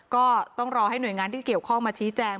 ก็ต้องรอให้หน่วยงานที่เกี่ยวข้องมาชี้แจง